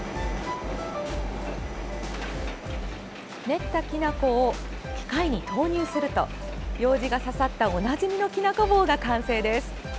練ったきな粉を機械に投入するとようじが刺さったおなじみのきなこ棒が完成です。